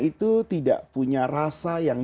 itu tidak punya rasa yang